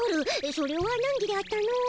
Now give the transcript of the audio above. それはナンギであったの。